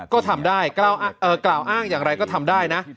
ก็ทำได้กล่าวเอ่อกล่าวอ้างอย่างไรก็ทำได้นะ